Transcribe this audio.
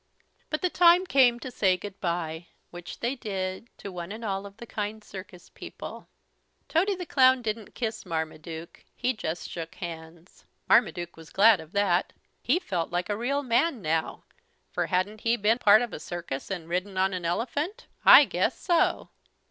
But the time came to say "Good bye," which they did, to one and all of the kind circus people. Tody the Clown didn't kiss Marmaduke. He just shook hands. Marmaduke was glad of that. He felt like a real man now. For hadn't he been part of a circus and ridden on an elephant! I guess so!